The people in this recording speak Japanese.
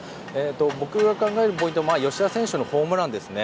僕が考えるポイントは吉田選手のホームランですね。